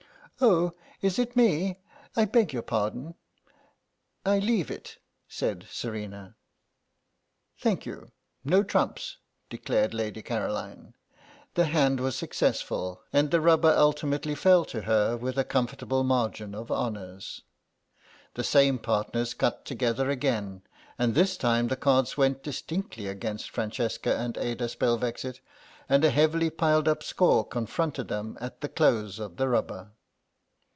"Oh, is it me? I beg your pardon. I leave it," said Serena. "Thank you. No trumps," declared Lady Caroline. The hand was successful, and the rubber ultimately fell to her with a comfortable margin of honours. The same partners cut together again, and this time the cards went distinctly against Francesca and Ada Spelvexit, and a heavily piled up score confronted them at the close of the rubber.